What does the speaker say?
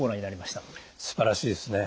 すばらしいですね。